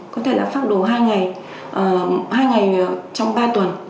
có thể là phác đồ hai ngày hai ngày trong ba tuần